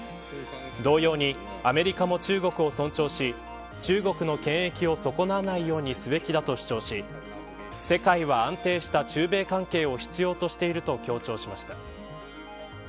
同様に、アメリカも中国を尊重し中国の権益を損なわないようにすべきだと主張し世界は安定した中米関係を必要としていると強調しました。